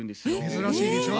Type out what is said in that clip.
珍しいでしょ。